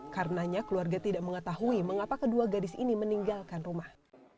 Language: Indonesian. karenanya keluarga tidak mengetahui mengapa kedua gadis ini meninggalkan rumah